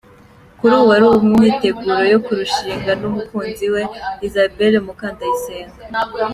Kuri ubu ari mu myiteguro yo kurushingana n’umukunzi we Isabelle Mukandayisenga.